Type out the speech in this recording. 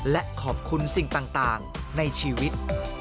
และขอบคุณสิ่งต่างในชีวิต